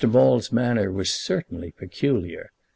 Maule's manner was certainly peculiar.